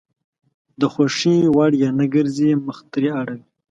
د خوښې وړ يې نه ګرځي مخ ترې اړوي.